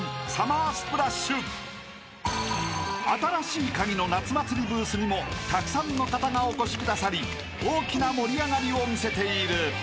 ［『新しいカギ』の夏祭りブースにもたくさんの方がお越しくださり大きな盛り上がりを見せている］